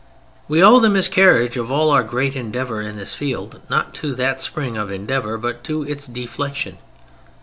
We owe the miscarriage of all our great endeavor in this field, not to that spring of endeavor, but to its deflection.